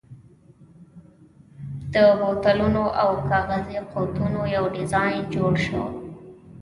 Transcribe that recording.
د بوتلونو او کاغذي قوتیو یو ډېران جوړ شوی.